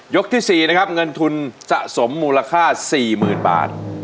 ที่๔นะครับเงินทุนสะสมมูลค่า๔๐๐๐บาท